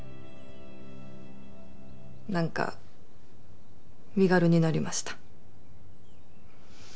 なんか身軽になりました。